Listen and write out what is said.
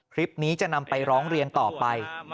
คลิปนี้จะนำไปร้องเรียนต่อไป